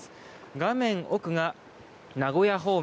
画面奥が名古屋方面。